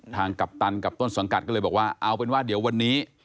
กัปตันกับต้นสังกัดก็เลยบอกว่าเอาเป็นว่าเดี๋ยววันนี้